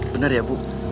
bener ya bu